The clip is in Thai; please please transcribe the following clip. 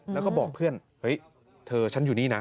แล้วก็บอกเพื่อนเธออยู่นี่